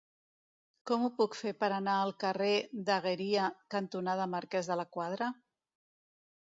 Com ho puc fer per anar al carrer Dagueria cantonada Marquès de la Quadra?